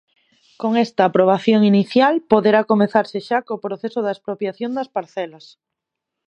Con esta aprobación inicial, poderá comezarse xa co proceso de expropiación das parcelas.